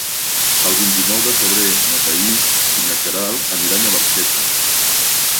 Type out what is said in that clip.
El vint-i-nou de febrer na Thaís i na Queralt aniran a Barxeta.